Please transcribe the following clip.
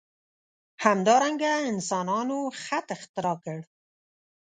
همدارنګه انسانانو خط اختراع کړ.